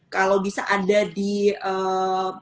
kalau bisa ada jaminan